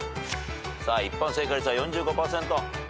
一般正解率は４５％。